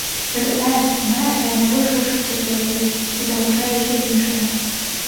Гэта тая струна, якая найбольш гучыць цяпер у ёй і заглушае ўсё іншае.